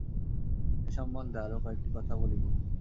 এ সম্বন্ধে আর কয়েকটি কথা বলিব।